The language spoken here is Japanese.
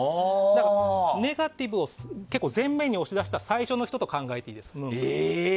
だからネガティブを最初に押し出した人と考えていいです。